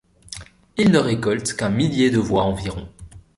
Il ne récolte qu'un millier de voix environ.